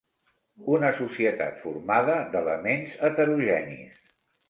Una societat formada d'elements heterogenis.